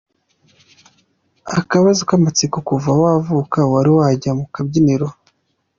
Akabazo k’amatsiko, kuva wavuka wari wajya mu kabyiniro?.